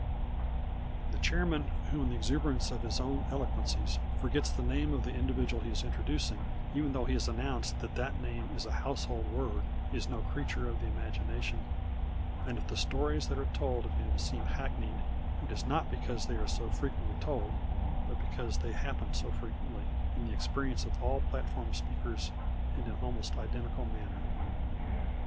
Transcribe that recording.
_" The chairman who in the exuberance of his own eloquence forgets the name of the individual he is introducing, even though he has announced that that name is a "household word," is no creature of the imagination, and if the stories that are told of him seem hackneyed, it is not because they are so frequently told, but because they happen so frequently in the experience of all platform speakers, and in almost identical manner.